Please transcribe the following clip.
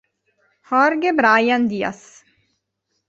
Jorge Bryan Díaz